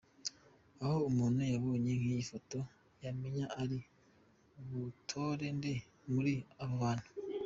Aha umuntu abonye nk’iyi foto yamenya ari butore nde muri aba bantu?.